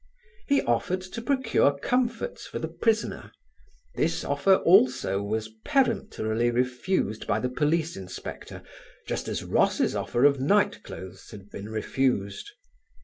He offered to procure comforts for the prisoner: this offer also was peremptorily refused by the police inspector just as Ross's offer of night clothes had been refused.